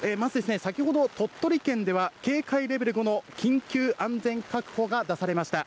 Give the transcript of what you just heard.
まず先ほど、鳥取県では警戒レベル５の、緊急安全確保が出されました。